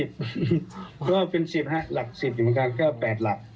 ก็เป็น๑๐หลัก๑๐อยู่ข้างกลางก็๘หลัก